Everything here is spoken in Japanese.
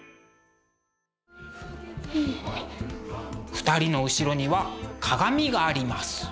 ２人の後ろには鏡があります。